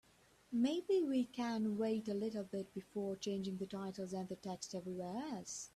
Maybe we can wait a little bit before changing the titles and the text everywhere else?